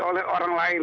oleh orang lain